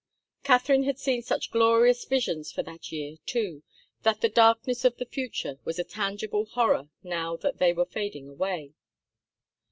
Katharine had seen such glorious visions for that year, too, that the darkness of the future was a tangible horror now that they were fading away.